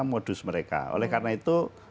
modus mereka oleh karena itu